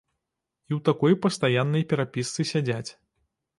І ў такой пастаяннай перапісцы сядзяць.